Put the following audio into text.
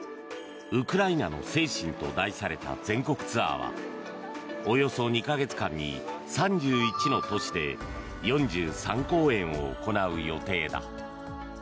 「ウクライナの精神」と題された全国ツアーはおよそ２か月間に３１の都市で４３公演を行う予定だ。